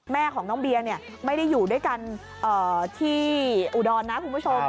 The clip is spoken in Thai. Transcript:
แม่ของน้องเบียไม่ได้อยู่ด้วยกันที่อุดรนะคุณผู้ชม